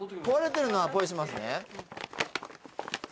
壊れてるのはポイしますね。